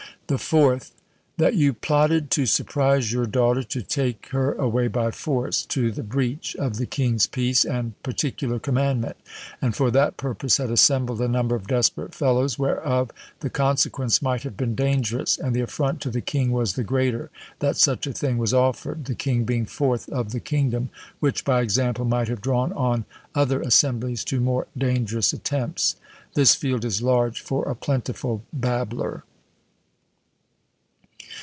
"The fourth. That you plotted to surprise your daughter to take her away by force, to the breach, of the king's peace and particular commandment, and for that purpose had assembled a number of desperate fellows, whereof the consequence might have been dangerous; and the affront to the king was the greater that such a thing was offered, the king being forth of the kingdom, which, by example, might have drawn on other assemblies to more dangerous attempts. This field is large for a plentiful babbler.